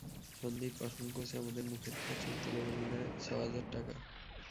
সন্দীপ অসংকোচে আমাদের মুখের দিকে চোখ তুলে বললে, ছ হাজার টাকা।